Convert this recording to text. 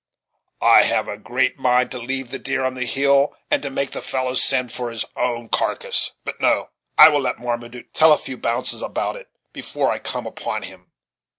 I have a great mind to leave the deer on the hill, and to make the fellow send for his own carcass; but no, I will let Marmaduke tell a few bounces about it before I come out upon him.